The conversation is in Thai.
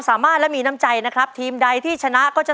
โดยการแข่งขาวของทีมเด็กเสียงดีจำนวนสองทีม